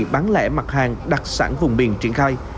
bán lẻ mặt hàng đặc sản vùng biển triển khai